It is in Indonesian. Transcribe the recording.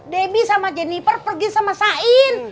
debbie sama jenniper pergi sama sain